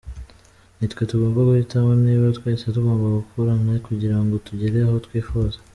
Nitwe tugomba guhitamo niba twese tugomba gukorana kugira ngo tugere aho twifuza.